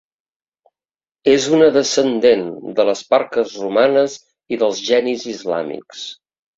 És una descendent de les parques romanes i dels genis islàmics.